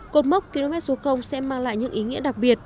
cột mốc km số sẽ mang lại những ý nghĩa đặc biệt